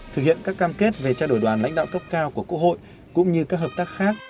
thực hiện các cam kết về trao đổi đoàn lãnh đạo cấp cao của quốc hội cũng như các hợp tác khác